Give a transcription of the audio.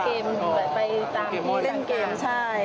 เล่นเกมไปจากที่เล่นเกมใช่